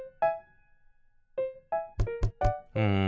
うん。